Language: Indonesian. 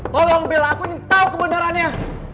tolong bela aku ingin tahu kebenarannya